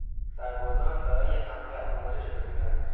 سربازان برای حمله آماده شده بودند.